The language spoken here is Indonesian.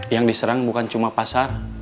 yang diserang bukan cuma pasar